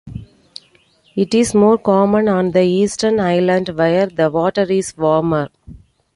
It is more common on the eastern islands where the water is warmer.